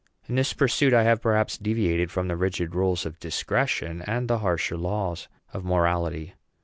In this pursuit I have, perhaps, deviated from the rigid rules of discretion and the harsher laws of morality.